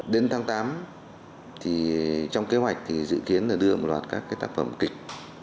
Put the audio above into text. đến tháng tám thì trong kế hoạch thì dự kiến là đưa một loạt các tác phẩm kịch